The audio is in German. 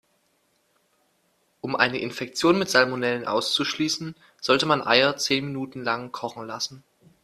Um eine Infektion mit Salmonellen auszuschließen, sollte man Eier zehn Minuten lang kochen lassen.